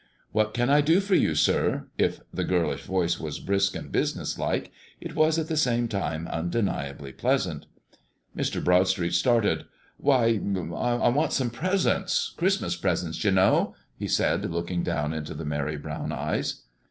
"What can I do for you, sir?" If the girlish voice was brisk and businesslike it was at the same time undeniably pleasant. Mr. Broadstreet started. "Why, I want some presents; Christmas presents, you know," he said, looking down into the merry brown eyes.